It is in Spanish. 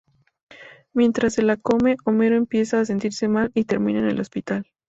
Mientras se lo come, Homero empieza a sentirse mal y termina en el hospital.